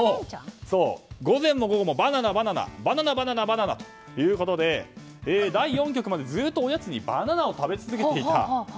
午前も午後もバナナということで第４局まで、ずっとおやつにバナナを食べ続けていた。